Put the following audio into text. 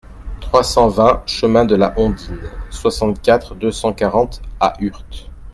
trois cent vingt chemin de la Hondine, soixante-quatre, deux cent quarante à Urt